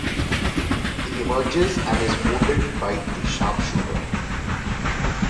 He emerges and is wounded by the sharpshooter.